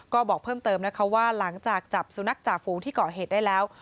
ก็บอกเพิ่มเติมนะคะว่าหลังจากจับสุนัขจ่าฝูงที่ก่อเหตุได้แล้ว